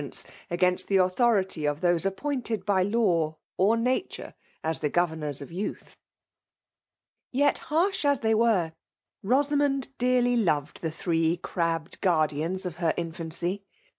ence against tlie audiority of iho&e appointed by law or nature as the governors of youth. Yet, harsh as they were, Boaamond dearly loved the three crabbed guardians of her infancy.